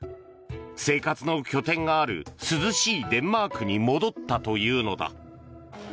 生活の拠点がある涼しいデンマークに戻ったというのだ。